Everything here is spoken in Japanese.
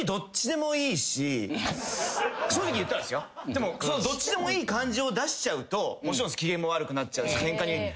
でもどっちでもいい感じを出しちゃうともちろん機嫌も悪くなっちゃうしケンカになっちゃうかもしれない。